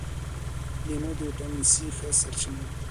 لیمو د ویټامین سي ښه سرچینه ده.